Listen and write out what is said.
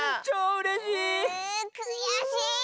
うくやしい！